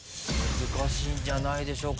難しいんじゃないでしょうか。